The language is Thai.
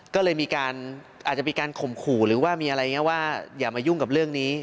ก็เลยมีการอาจจะมีการข่มขู่หรือว่ามีอะไรอย่างนี้ว่าอย่ามายุ่งกับเรื่องนี้